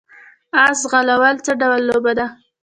اس ځغلول څه ډول لوبه ده؟